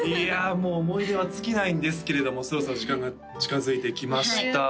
もう思い出は尽きないんですけれどもそろそろ時間が近づいてきました